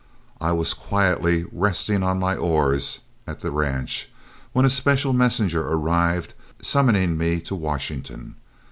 I was quietly resting on my oars at the ranch, when a special messenger arrived summoning me to Washington.